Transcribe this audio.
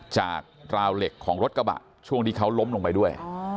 จากราวเหล็กของรถกระบะช่วงที่เขาล้มลงไปด้วย